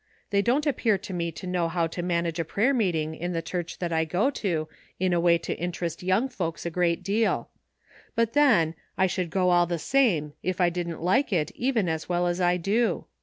They don't appear to me to know how to man age a prayer meeting in the church that I go to in a way to interest young folks a great deal ; but then, I should go all the same if I didn't like it even as well as I do.